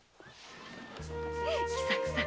喜作さん。